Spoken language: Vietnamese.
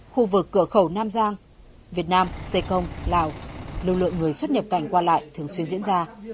khu vực cửa khẩu nam giang việt nam sê công lào lưu lượng người xuất nhập cảnh qua lại thường xuyên diễn ra